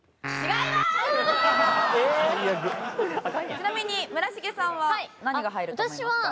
ちなみに村重さんは何が入ると思いますか？